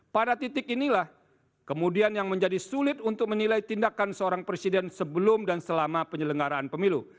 pada titik inilah kemudian yang menjadi sulit untuk menilai tindakan seorang presiden sebelum dan selama penyelenggaraan pemilu